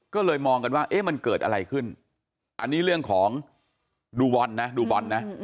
ก็เลยมองกันว่าเอ๊ะมันเกิดอะไรขึ้นอันนี้เรื่องของดูบอลนะดูบอลนะ